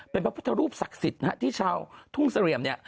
เป็นพระพุทธรูปศักดิ์สิทธิ์ที่ชาวทุ่งเสลี่ยมเนี่ย